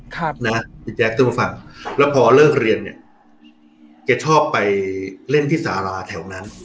ค่ะนะแจ็คจะมาฟังแล้วพอเลิกเรียนเนี่ยเคยชอบไปเล่นที่สาราแถวนั้น